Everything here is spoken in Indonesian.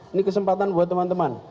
ini kesempatan buat teman teman